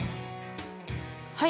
はい。